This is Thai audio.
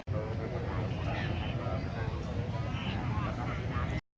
สุดท้าย